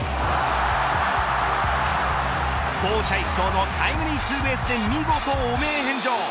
走者一掃のタイムリーツーベースで見事汚名返上。